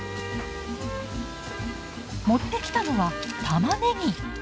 持ってきたのはたまねぎ。